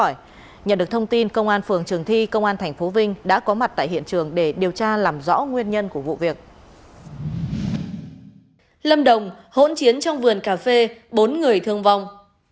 lâm đồng hỗn chiến trong vườn cà phê bốn người thương vong